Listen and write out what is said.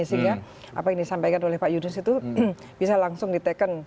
sehingga apa yang disampaikan oleh pak yunus itu bisa langsung diteken